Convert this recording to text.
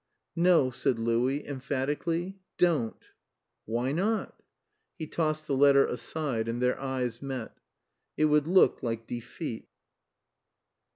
"No," said Louis emphatically. "Don't." "Why not?" He tossed the letter aside, and their eyes met. "It would look like defeat."